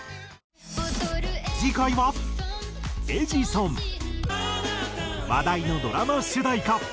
次回は『エジソン』話題のドラマ主題歌